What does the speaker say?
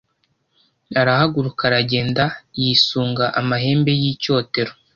arahaguruka aragenda yisunga amahembe y’icyotero.